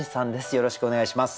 よろしくお願いします。